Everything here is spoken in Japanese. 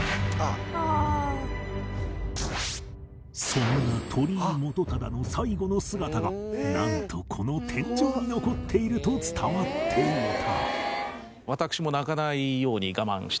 そんな鳥居元忠の最後の姿がなんとこの天井に残っていると伝わっていた